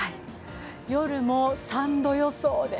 夜も３度予想です。